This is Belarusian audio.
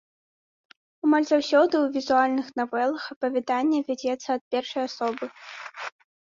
Амаль заўсёды ў візуальных навелах апавяданне вядзецца ад першай асобы.